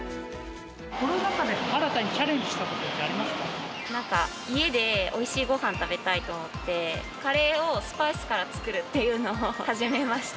コロナ禍で新たにチャレンジなんか、家でおいしいごはん食べたいと思って、カレーをスパイスから作るっていうのを始めました。